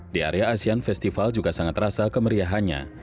di area asean festival juga sangat terasa kemeriahannya